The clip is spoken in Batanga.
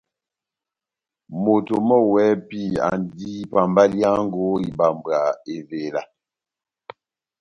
Moto mɔ́ wɛ́hɛ́pi andi pambaliyango ibambwa evela.